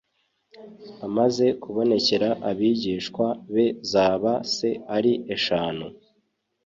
Amaze kubonekera abigishwa be zaba se ari eshanu